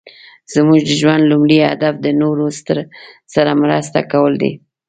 زموږ د ژوند لومړی هدف د نورو سره مرسته کول دي.